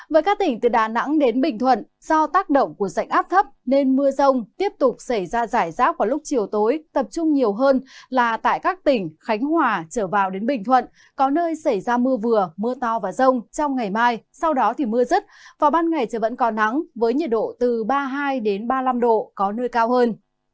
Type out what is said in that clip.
với các tỉnh từ đà nẵng đến bình thuận do tác động của sạch áp thấp nên mưa rông tiếp tục xảy ra giải rác vào lúc chiều tối tập trung nhiều hơn là tại các tỉnh khánh hòa trở vào đến bình thuận có nơi xảy ra mưa vừa mưa to và rông trong ngày mai sau đó thì mưa rứt vào ban ngày trời vẫn còn nắng với nhiệt độ từ ba mươi hai ba mươi năm độ có nơi cao hơn